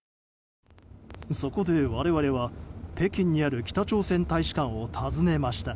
そこで、我々は北京にある北朝鮮大使館を訪ねました。